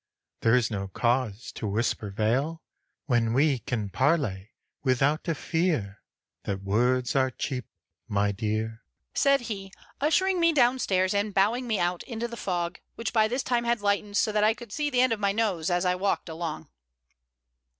There is no cause to whisper vale, When we can parley Without a fear That words are cheap, my dear," said he, ushering me down stairs and bowing me out into the fog, which by this time had lightened so that I could see the end of my nose as I walked along.